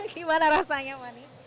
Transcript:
gimana rasanya fanny